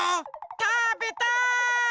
たべたい！